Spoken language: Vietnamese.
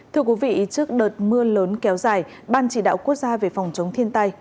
thưa quý vị trước đợt mưa lớn kéo dài ban chỉ đạo quốc gia về phòng chống thiên tai